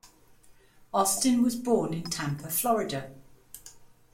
Austin was born in Tampa, Florida.